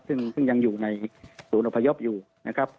ซึ่งยังอยู่ในศูนย์อพยพอยู่นะครับ